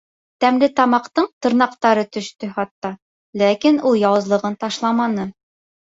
Тәмлетамаҡтың тырнаҡтары төштө хатта, ләкин ул яуызлығын ташламаны.